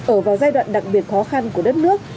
ở vào giai đoạn đặc biệt khó khăn của đất nước